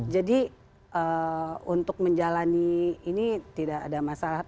jadi untuk menjalani ini tidak ada masalah